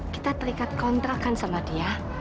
kita terikat kontrakan sama dia